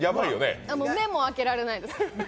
もう目も開けられないです。